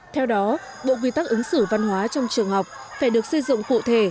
theo đó bộ quy tắc ứng xử văn hóa trong trường học phải được xây dựng cụ thể